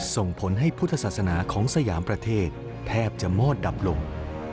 ส่งผลให้พุทธศาสนาของสยามประเทศแทบจะมอดดับลง